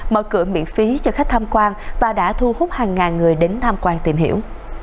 mở cửa miễn phí cho khách tham quan và đã thu hút hàng ngàn người đến tham quan tìm hiểu